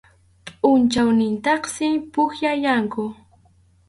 Pʼunchawnintintaqsi pukllallanku.